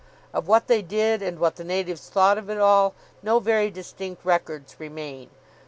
Of what they did and what the natives thought of it all, no very distinct records remain.